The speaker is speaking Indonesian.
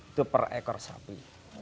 itu per ekor sapi